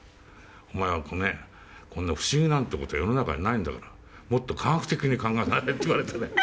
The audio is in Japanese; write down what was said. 「お前こんな不思議なんて事世の中にないんだからもっと科学的に考えなさい」って言われてね。